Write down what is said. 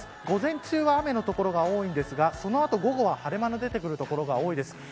午前中は雨の所が多いですがその後、午後は晴れ間が出てくる所が多いです。